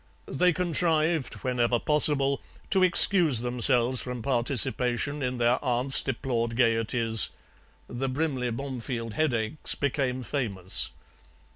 They contrived, whenever possible, to excuse themselves from participation in their aunt's deplored gaieties; the Brimley Bomefield headaches became famous.